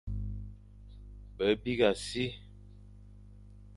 Be bîgha si,